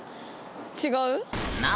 違う？